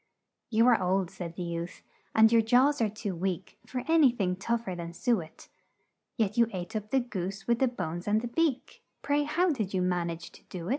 "'You are old,' said the youth, and your jaws are too weak For an y thing tough er than su et; Yet you ate up the goose, with the bones and the beak: Pray, how did you man age to do it?'